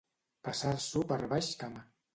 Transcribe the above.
Passar-s'ho per baix cama.